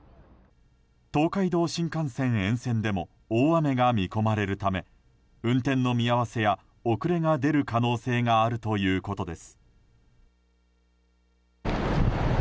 東海道新幹線沿線でも大雨が見込まれるため運転の見合わせや遅れが出る可能性があるということです。